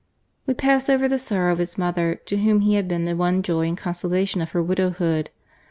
We pass over the sorrow of his mother, to whom he had been the one joy and consolation of her widowhood.